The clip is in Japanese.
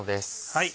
はい。